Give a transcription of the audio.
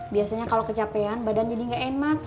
biasanya kalau kecapean badan jadi nggak enak